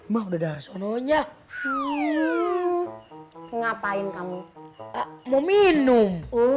mah udah dah sononya ngapain kamu mau minum